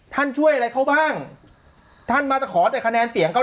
ช่วยอะไรเขาบ้างท่านมาจะขอแต่คะแนนเสียงเขา